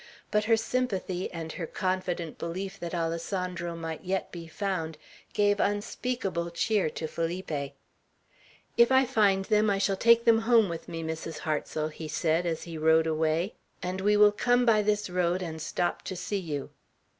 But her sympathy, and her confident belief that Alessandro might yet be found, gave unspeakable cheer to Felipe. "If I find them, I shall take them home with me, Mrs. Hartsel," he said as he rode away; "and we will come by this road and stop to see you."